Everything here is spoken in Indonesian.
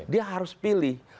dia harus pilih